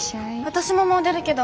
私ももう出るけど